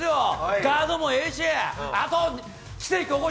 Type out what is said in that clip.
ガードもええし